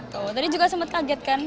tuh tadi juga sempat kaget kan